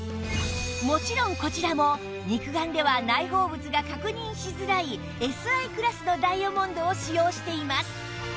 もちろんこちらも肉眼では内包物が確認しづらい ＳＩ クラスのダイヤモンドを使用しています